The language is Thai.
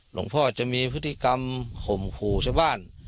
หลวงพ่อจะมีพฤติกรรมข่มขู่ชาวบ้าน